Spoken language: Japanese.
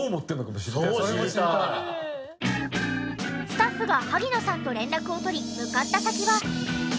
スタッフが萩野さんと連絡をとり向かった先は。